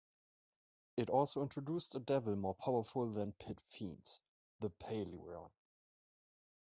It also introduced a devil more powerful than pit fiends: the paeliryon.